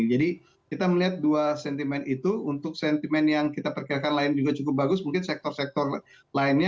jadi kita melihat dua sentimen itu untuk sentimen yang kita perkirakan lain juga cukup bagus mungkin sektor sektor lainnya